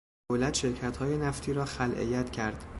دولت شرکتهای نفتی را خلع ید کرد.